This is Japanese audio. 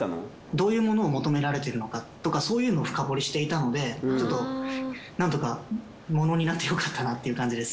どういうものを求められているのかとかそういうのを深掘りしていたのでちょっとなんとかものになってよかったなっていう感じです。